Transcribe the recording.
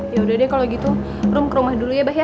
ya udah deh kalau gitu rum ke rumah dulu ya bah ya